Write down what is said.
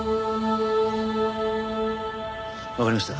わかりました。